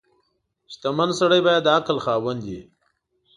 • شتمن سړی باید د عقل خاوند وي.